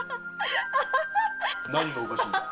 何がおかしいんだ？